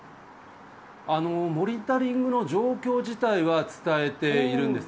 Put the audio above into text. モニタリングの状況自体は伝えているんです。